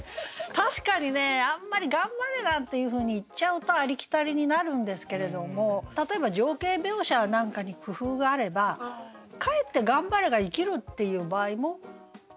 確かにねあんまり「頑張れ」なんていうふうに言っちゃうとありきたりになるんですけれども例えば情景描写なんかに工夫があればかえって「頑張れ」が生きるっていう場合もないことはないわけですね。